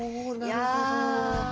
いや。